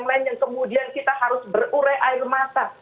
tidak ada yang kemudian kita harus berure air mata